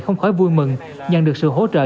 không khói vui mừng nhận được sự hỗ trợ